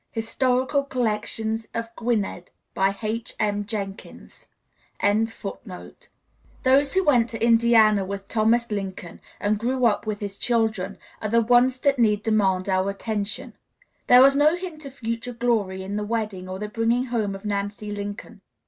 "Historical Collections of Gwynnedd," by H. M. Jenkins.] Those who went to Indiana with Thomas Lincoln, and grew up with his children, are the only ones that need demand our attention. There was no hint of future glory in the wedding or the bringing home of Nancy Lincoln.